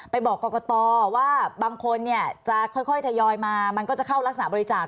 บอกกรกตว่าบางคนเนี่ยจะค่อยทยอยมามันก็จะเข้ารักษณะบริจาค